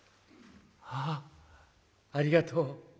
「ああありがとう。